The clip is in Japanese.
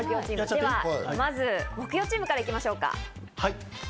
では木曜チームから行きましょう。